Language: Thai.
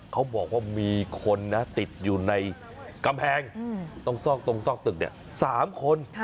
เขาบอกว่ามีคนนะติดอยู่ในกำแพงตรงซอกตรงซอกตึก๓คน